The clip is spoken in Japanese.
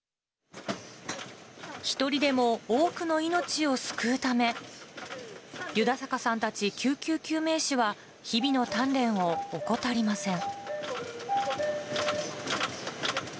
一人でも多くの命を救うため、湯田坂さんたち救急救命士は日々の鍛錬を怠りません。